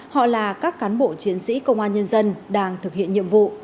họ là các cán bộ chiến sĩ công an nhân dân đang thực hiện nhiệm vụ